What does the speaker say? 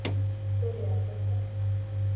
تو ریاست کا۔